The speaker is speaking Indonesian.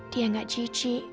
dia nggak jijik